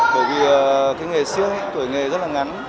bởi vì cái nghề xưa tuổi nghề rất là ngắn